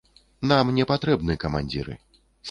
Нам не патрэбны камандзіры.